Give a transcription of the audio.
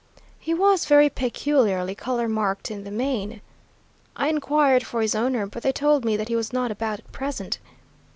He was very peculiarly color marked in the mane. I inquired for his owner, but they told me that he was not about at present.